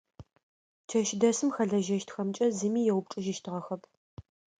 Чэщдэсым хэлэжьэщтхэмкӏэ зыми еупчӏыжьыщтыгъэхэп.